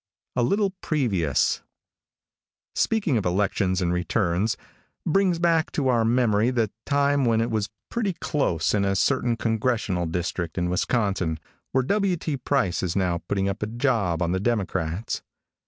A LITTLE PREVIOUS. |SPEAKING of elections and returns, brings back to our memory the time when it was pretty close in a certain congressional district in Wisconsin, where W. T. Price is now putting up a job on the Democrats.